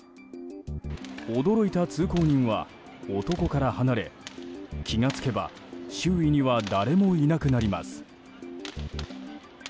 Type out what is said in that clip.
驚いた通行人は男から離れ気が付けば周囲には誰もいなくなります。